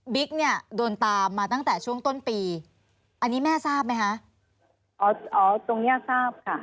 เนี่ยโดนตามมาตั้งแต่ช่วงต้นปีอันนี้แม่ทราบไหมคะอ๋ออ๋อตรงเนี้ยทราบค่ะ